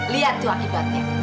lihat tuh akibatnya